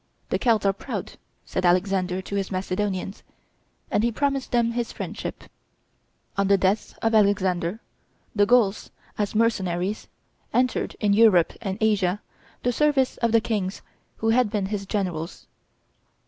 "The Celts are proud," said Alexander to his Macedonians; and he promised them his friendship. On the death of Alexander, the Gauls, as mercenaries, entered, in Europe and Asia, the service of the kings who had been his generals.